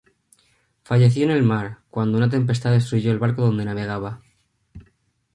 Falleció en el mar, cuando una tempestad destruyó el barco donde navegaba.